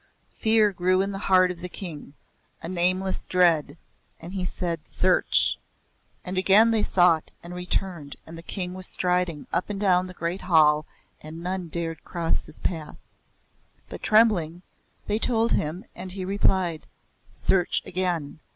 Fear grew in the heart of the King a nameless dread, and he said, "Search." And again they sought and returned and the King was striding up and down the great hall and none dared cross his path. But, trembling, they told him, and he replied; "Search again.